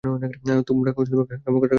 তোমরা খামোখা টাকা নষ্ট করছো।